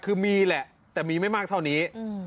คือมีแหละแต่มีไม่มากเท่านี้